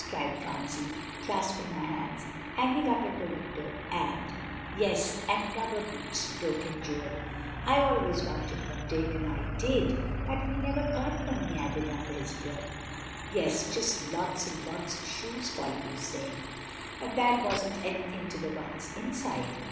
cried Phronsie, clasping her hands, "hanging up in the window, and" "Yes, and rubber boots," broke in Joel; "I always wanted them, Dave and I did. But we never got them," he added under his breath. "Yes, just lots and lots of shoes," Polly was saying; "but that wasn't anything to the ones inside.